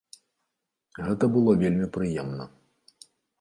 Гэта было вельмі прыемна.